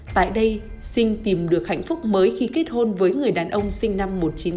tại đây sinh tìm được hạnh phúc mới khi kết hôn với người đàn ông sinh năm một nghìn chín trăm tám mươi